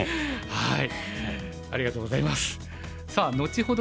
はい。